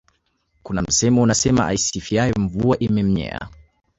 kuna msemo unasema aisifiyae Mvua imemnyea